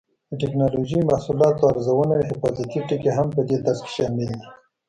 د ټېکنالوجۍ محصولاتو ارزونه او حفاظتي ټکي هم په دې درس کې شامل دي.